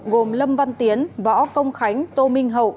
gồm lâm văn tiến võ công khánh tô minh hậu